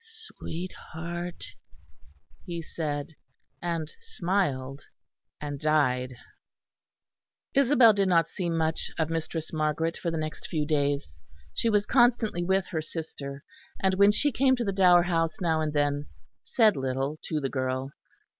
"Sweetheart," he said; and smiled, and died. Isabel did not see much of Mistress Margaret for the next few days; she was constantly with her sister, and when she came to the Dower House now and then, said little to the girl.